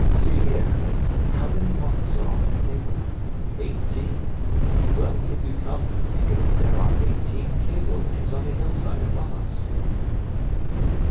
See here! How many marks are on that paper? Eighteen. Well, if you come to think of it there are eighteen cave openings on the hill side above us."